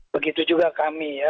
begitu juga kami ya